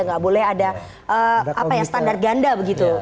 nggak boleh ada apa ya standar ganda begitu